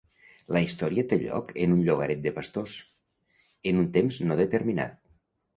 La història té lloc en un llogaret de pastors, en un temps no determinat.